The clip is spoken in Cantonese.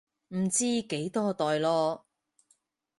唔知幾多代囉